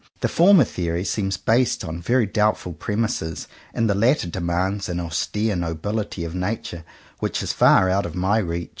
The former theory seems based on very doubtful premises, and the latter demands an austere nobility of nature which is far out of my reach.